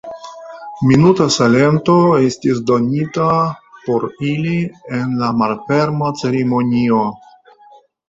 Minuta silento estis donita por ili en la malferma ceremonio.